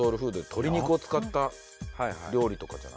鶏肉を使った料理とかじゃない？